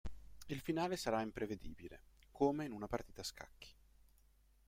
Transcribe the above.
Il finale sarà imprevedibile, come in una partita a scacchi.